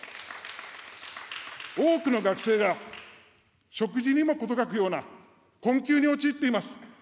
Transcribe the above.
多くの学生が食事にも事欠くような、困窮に陥っています。